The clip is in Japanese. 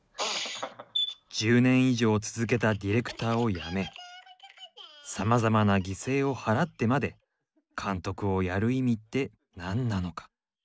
１０年以上続けたディレクターを辞めさまざまな犠牲を払ってまで監督をやる意味って何なのか。